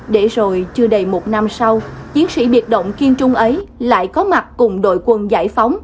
để rồi chưa đầy một năm sau chiến sĩ biệt động kiên trung ấy lại có mặt cùng đội quân giải phóng